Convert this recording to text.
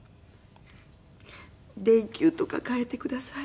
電球とか換えてください。